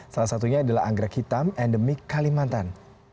salah satunya adalah anggrek hitam endemik kalimantan